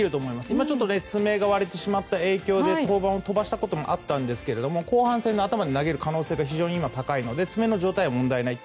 今、ちょっと爪が割れた影響で登板を飛ばしたこともあったんですが後半戦の頭に投げる可能性が非常に今、高いので爪の状態は問題ない。